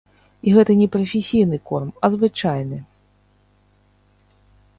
І гэта не прафесійны корм, а звычайны.